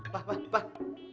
pak pak pak